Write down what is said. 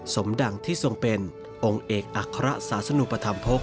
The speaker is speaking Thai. ดังที่ทรงเป็นองค์เอกอัคระสาสนุปธรรมพกษ